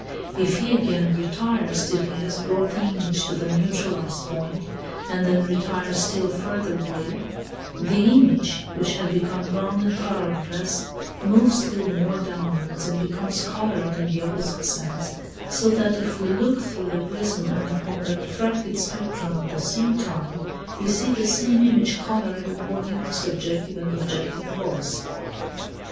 If he again retires till he has brought the image to the neutralized point, and then retires still farther away, the image, which had become round and colourless, moves still more downwards and becomes coloured in the opposite sense, so that if we look through the prism and upon the refracted spectrum at the same time, we see the same image coloured according to subjective and objective laws.